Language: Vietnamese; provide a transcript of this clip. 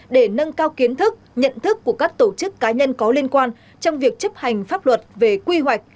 để nâng cao kiến thức nhận thức của các tổ chức cá nhân có liên quan trong việc chấp hành pháp luật về quy hoạch